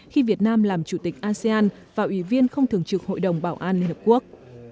khi việt nam làm chủ tịch asean và ủy viên không thường trực hội đồng bảo an liên hợp quốc